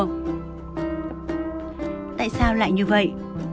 tại sao lại như vậy